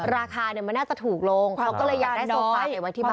ราคาเนี่ยมันน่าจะถูกลงเขาก็เลยอยากได้โซฟาไปไว้ที่บ้าน